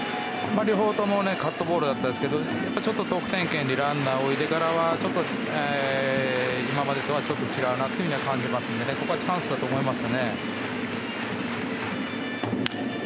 両方ともカットボールでしたが得点圏にランナーを置いてからは今までとはちょっと違うなと感じますのでここはチャンスだと思います。